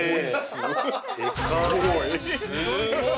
すごい。